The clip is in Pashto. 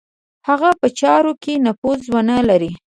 هغه په چارو کې نفوذ ونه لري.